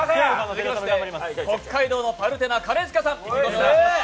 北海道のパルテナ、兼近さん。